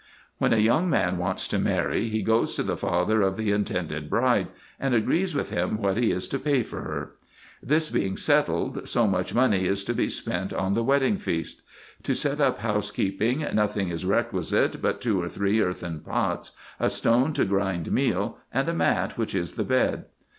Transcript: When a young man wants to marry, he goes to the father of the intended bride, and agrees with him what he is to pay for her. This being settled, so much money is to be spent on the wedding day feast. To set up house keeping nothing is requisite but two or three earthen pots, a stone to grind meal, and a mat, which is the bed.